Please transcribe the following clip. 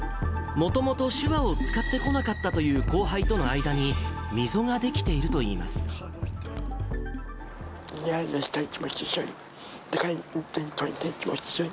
もともと手話を使ってこなかったという後輩との間に、溝が出リレーをしたい気持ちが強い。